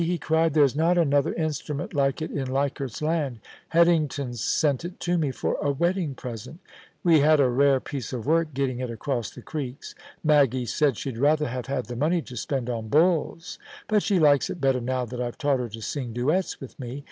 * he cried 'There's not another instrument like it in Leichardt's Land Headington sent it to me for a wedding present We had a rare piece of work getting it across the creeks. Maggie said she'd rather have had the money to spend on bulls ; but she likes it better now that Fve taught her to sing duets with me.